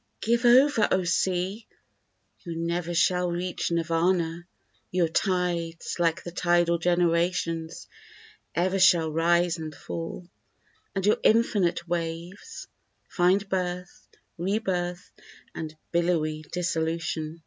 Give over, O sea! You never shall reach Nirvana! Your tides, like the tidal generations, ever shall rise and fall, And your infinite waves find birth, rebirth, and billowy dissolution.